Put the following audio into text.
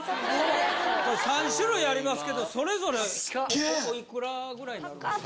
３種類ありますけどそれぞれおいくらぐらいになるんですか？